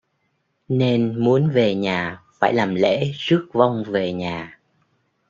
nên muốn về nhà phải làm lễ rước vong về nhà